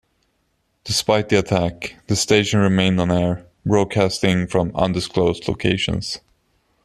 Despite the attack, the station remained on air, broadcasting from undisclosed locations.